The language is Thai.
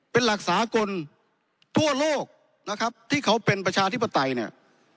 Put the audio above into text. เป็นหลักสากลทั่วโลกนะครับที่เขาเป็นประชาธิปไตยเนี่ย